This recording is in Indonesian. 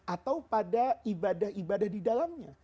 atau pada ibadah ibadah di dalamnya